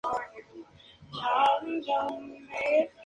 Recibe el aporte del lago anterior.